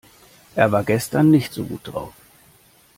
Er war gestern nicht so gut drauf.